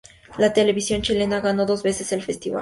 La televisión chilena ganó dos veces el festival.